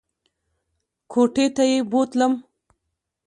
کوټې ته یې بوتلم !